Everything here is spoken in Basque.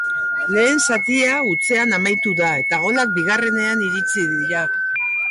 Lehen zatia hutsean amaitu da eta golak bigarrenean iritsi dira.